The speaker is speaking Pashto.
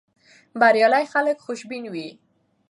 بریالي خلک خوشبین وي.